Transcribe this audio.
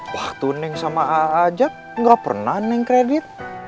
waktu neng sama a ajat enggak pernah neng kredit